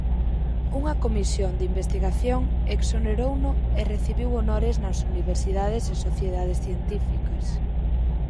Unha comisión de investigación exonerouno e recibiu honores nas universidades e sociedades científicas.